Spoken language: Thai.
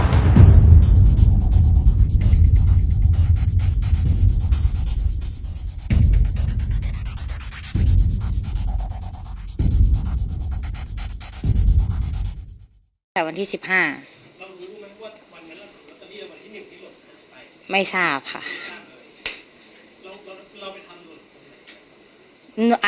ไม่ทราบค่ะ